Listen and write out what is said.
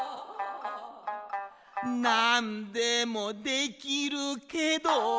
「何でもできるけど」